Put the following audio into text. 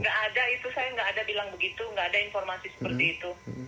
nggak ada itu saya nggak ada bilang begitu nggak ada informasi seperti itu